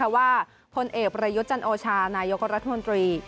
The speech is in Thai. ว่าคนเอกประยุจนโอชานายกรรธมนตรี